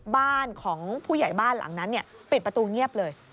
บ้านของผู้ใหญ่บ้านหลังนั้นปิดประตูเงียบเลย